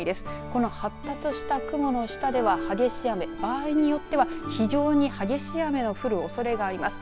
この発達した雲の下では激しい雨場合によっては非常に激しい雨が降るおそれがあります。